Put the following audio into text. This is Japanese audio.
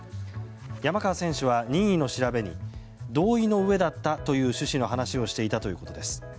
山川選手は任意の調べに同意の上だったという趣旨の話をしていたということです。